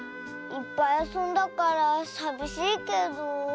いっぱいあそんだからさびしいけど。